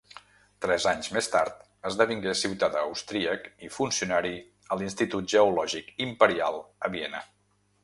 Tres anys més tard esdevingué ciutadà austríac i funcionari a l'Institut Geològic Imperial a Viena.